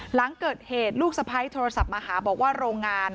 หลังเกิดเหตุลูกสะพ้ายโทรศัพท์มาหาบอกว่าโรงงาน